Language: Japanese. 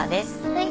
はい。